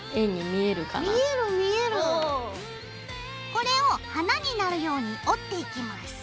これを花になるように折っていきます。